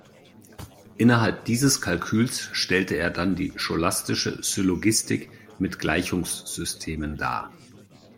Innerhalb dieses Kalküls stellte er dann die scholastische Syllogistik mit Gleichungssystemen dar.